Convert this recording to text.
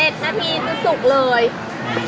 ๗นาทีจะสุกเลย